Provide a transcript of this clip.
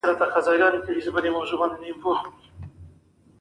کوچني توپیرونه به د وخت په تېرېدو سره لوی نه شي.